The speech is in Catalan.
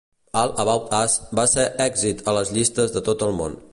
"All About Us" va ser èxit a les llistes de tot el món.